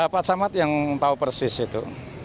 pak samad yang tahu persis itu